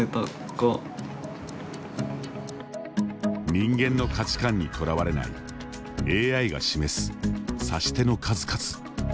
人間の価値観にとらわれないＡＩが示す指し手の数々。